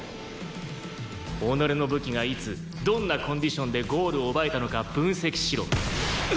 己の武器がいつどんなコンディションでゴールを奪えたのか分析しろ。